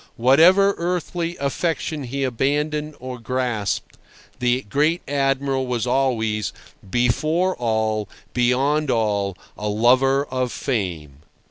Whatever earthly affection he abandoned or grasped, the great Admiral was always, before all, beyond all, a lover of Fame.